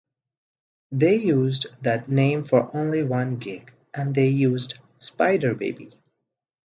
They used that name for only one gig and then used Spiderbaby.